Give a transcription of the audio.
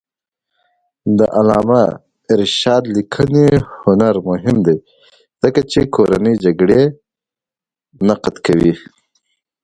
د علامه رشاد لیکنی هنر مهم دی ځکه چې کورنۍ جګړې نقد کوي.